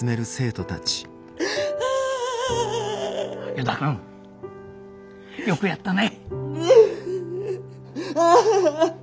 依田君よくやったね。